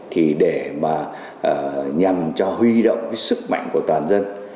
thì để mà nhằm cho huy động cái sức mạnh của toàn dân